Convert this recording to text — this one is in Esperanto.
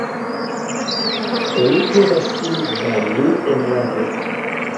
Oni povas sin bani en lago.